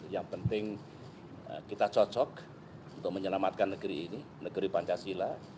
yang penting kita cocok untuk menyelamatkan negeri ini negeri pancasila